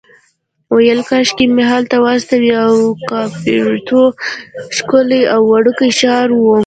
ویل کاشکې مې هلته واستوي، کاپوریتو ښکلی او وړوکی ښار و.